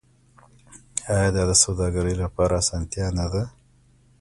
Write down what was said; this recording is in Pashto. آیا دا د سوداګرۍ لپاره اسانتیا نه ده؟